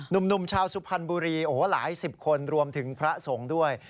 หนุ่มชาวสุพรรณบุรีโอ้โหหลายสิบคนรวมถึงพระสงฆ์ด้วย